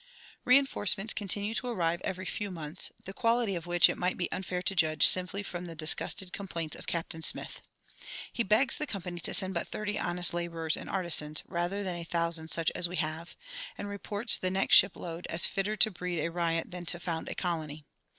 Reinforcements continued to arrive every few months, the quality of which it might be unfair to judge simply from the disgusted complaints of Captain Smith. He begs the Company to send but thirty honest laborers and artisans, "rather than a thousand such as we have," and reports the next ship load as "fitter to breed a riot than to found a colony."